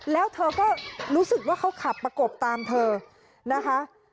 แล้วเธอก็รู้สึกว่าเขาขับประกบตามเธอนะคะ